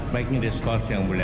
baiknya di skos yang mulia